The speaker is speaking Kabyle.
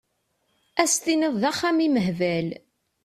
Ad s-tiniḍ d axxam imehbal!